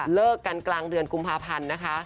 เลิกกันกลางเดือนกุมภาพันธ์นะคะ